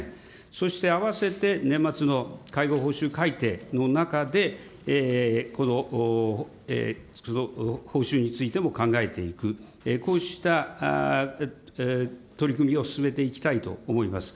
そしてあわせて年末の介護報酬改定の中で、この報酬についても考えていく、こうした取り組みを進めていきたいと思います。